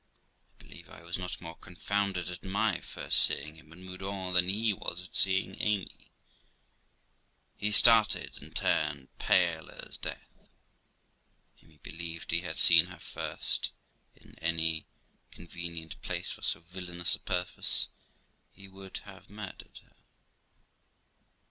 I believe I was not more confounded at my first seeing him at Meudon than he was at seeing Amy. He started, and turned pale as death. Amy believed if he had seen her at first, in any convenient place for so villainous a purpose, he would have murdered her.